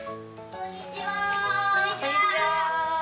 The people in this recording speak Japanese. こんにちは！